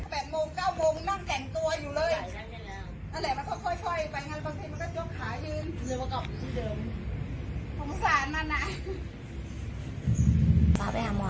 แปดโมงเก้าโมงนั่งแต่งตัวอยู่เลยนั่นแหละมันก็พ่อยพ่อยไป